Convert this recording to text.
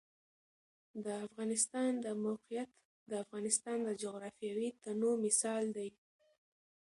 د افغانستان د موقعیت د افغانستان د جغرافیوي تنوع مثال دی.